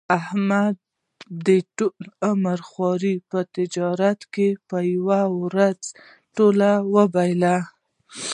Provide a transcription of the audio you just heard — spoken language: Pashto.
احمد د ټول عمر خواري په تجارت کې په یوه ورځ ټوله بایلوله.